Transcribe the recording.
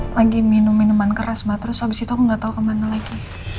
lagi minum minuman keras banget terus abis itu aku gak tau kemana lagi